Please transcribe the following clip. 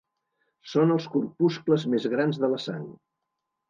Són els corpuscles més grans de la sang.